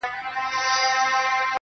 مثبت فکر اراده قوي کوي.